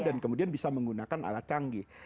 dan kemudian bisa menggunakan alat canggih